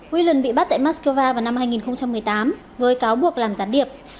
ween bị bắt tại moscow vào năm hai nghìn một mươi tám với cáo buộc làm gián điệp